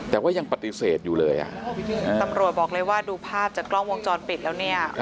แต่ว่ายังปฏิเสธอยู่เลยอ่ะตำรวจบอกเลยว่าดูภาพจากกล้องวงจรปิดแล้วเนี่ย